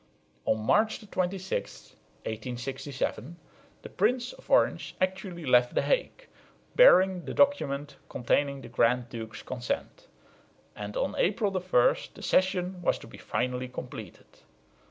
On March 26, 1867, the Prince of Orange actually left the Hague, bearing the document containing the Grand Duke's consent; and on April 1 the cession was to be finally completed.